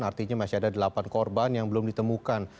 artinya masih ada delapan korban yang belum ditemukan